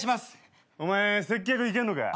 お前接客いけんのか？